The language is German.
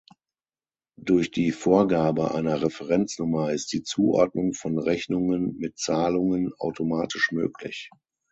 Durch die Vorgabe einer Referenznummer ist die Zuordnung von Rechnungen mit Zahlungen automatisch möglich.